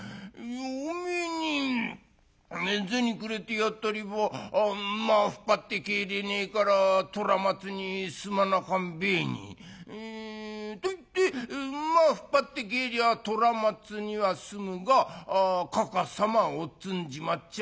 「おめえに銭くれてやったれば馬引っ張って帰れねえから虎松にすまなかんべえに。といって馬引っ張って帰りゃ虎松には済むがかかさまおっつんじまっちゃ